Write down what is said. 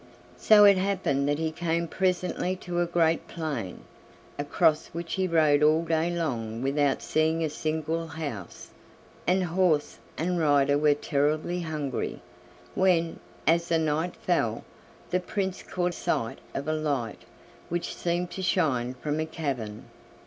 So it happened that he came presently to a great plain, across which he rode all day long without seeing a single house, and horse and rider were terribly hungry, when, as the night fell, the Prince caught sight of a light, which seemed to shine from a cavern.